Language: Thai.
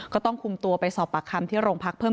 ก็ต้องคุมตัวไปสอบปากคำที่โรงพักเพิ่ม